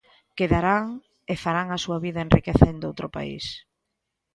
Quedarán, e farán a súa vida enriquecendo outro país.